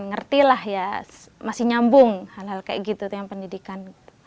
ngerti lah ya masih nyambung hal hal kayak gitu yang pendidikan